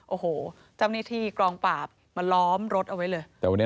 โอ้โหเจ้าหน้าที่กองปราบมาล้อมรถเอาไว้เลย